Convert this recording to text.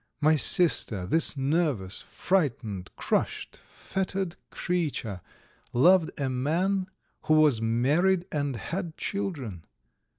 My sister, this nervous, frightened, crushed, fettered creature, loved a man who was married and had children!